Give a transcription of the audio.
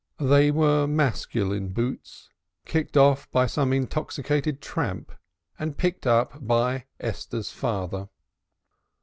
They were masculine boots, kicked off by some intoxicated tramp and picked up by Esther's father.